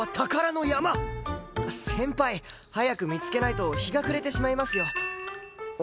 先輩早く見つけないと日が暮れてしまいますよ。